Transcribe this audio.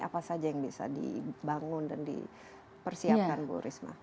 apa saja yang bisa dibangun dan dipersiapkan bu risma